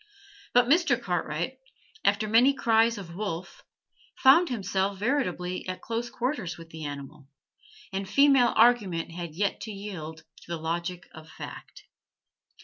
But Mr. Cartwright, after many cries of 'Wolf,' found himself veritably at close quarters with the animal, and female argument had to yield to the logic of fact.